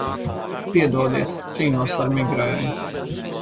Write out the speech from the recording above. Piedodiet, cīnos ar migrēnu.